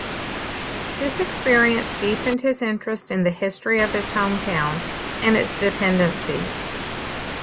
This experience deepened his interest in the history of his hometown and its dependencies.